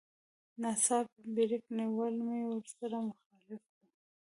ناڅاپي بريک نيول مې ورسره مخالف و.